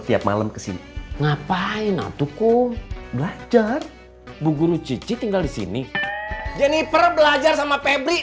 tiap malam kesini ngapain atuh kum belajar bu guru cici tinggal di sini jeniper belajar sama pebrik